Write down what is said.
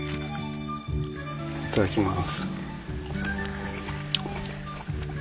いただきます。